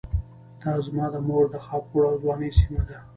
دا زما د مور د خاپوړو او ځوانۍ سيمه ده.